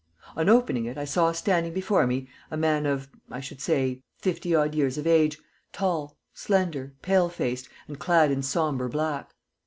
On opening it I saw standing before me a man of, I should say, fifty odd years of age, tall, slender, pale faced, and clad in sombre black.